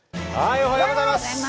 おはようございます。